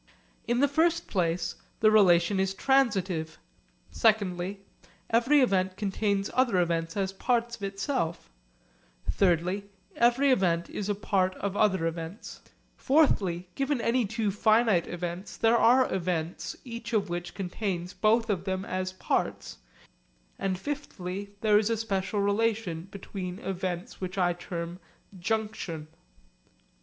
In the first place, this relation is transitive; secondly, every event contains other events as parts of itself; thirdly every event is a part of other events; fourthly given any two finite events there are events each of which contains both of them as parts; and fifthly there is a special relation between events which I term 'junction.'